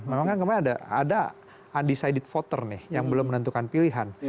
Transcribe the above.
memang kan kemarin ada undecided voter nih yang belum menentukan pilihan